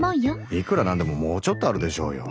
いくら何でももうちょっとあるでしょうよ。